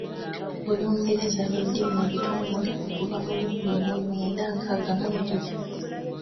Olungereza lwe lulimi olutongole okuva mu lukumi mu lwenda nkaaga mu ebiri.